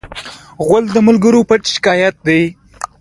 غول د ملګرو پټ شکایت دی.